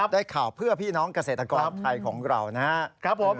ด้วยข่าวเพื่อพี่น้องเศรษฐกรไทยของเรานะครับ